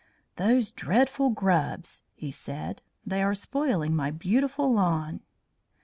"Those dreadful grubs!" he said. "They are spoiling my beautiful lawn."